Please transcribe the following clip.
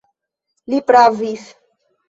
Li pravis.